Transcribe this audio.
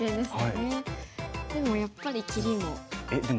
でもやっぱり切りも。